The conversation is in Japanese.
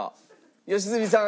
良純さん